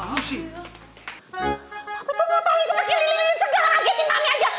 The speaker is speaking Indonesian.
tapi tuh ngapain sebagian lilin segala ngagetin mami aja